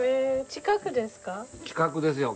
近くですよ。